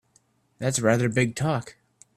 That's rather big talk!